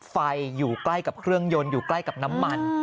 ไฟอยู่ใกล้กับเครื่องยนต์อยู่ใกล้กับน้ำมัน